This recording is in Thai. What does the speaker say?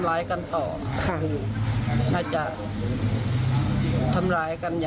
น่าจะทำร้ายกันต่อ